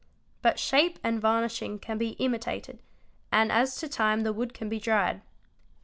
But shape and varnishing"® can be imitated, and as to time the wood can be dried.